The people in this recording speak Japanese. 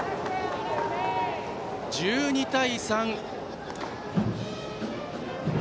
１２対３。